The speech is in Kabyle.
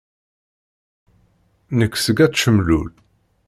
Nek seg At Cemlul.